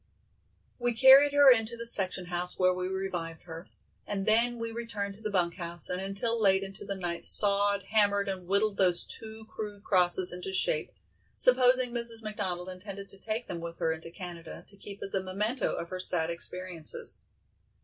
We carried her into the section house where we revived her, and then we returned to the bunk house and until late into the night sawed, hammered and whittled those two crude crosses into shape, supposing Mrs. McDonald intended to take them with her into Canada, to keep as a memento of her sad experiences.